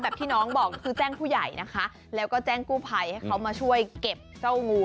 ที่น้องบอกคือแจ้งผู้ใหญ่นะคะแล้วก็แจ้งกู้ภัยให้เขามาช่วยเก็บเจ้างู